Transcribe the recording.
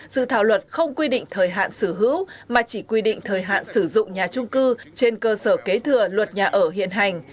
dự thảo luật không quy định thời hạn sở hữu mà chỉ quy định thời hạn sử dụng nhà trung cư trên cơ sở kế thừa luật nhà ở hiện hành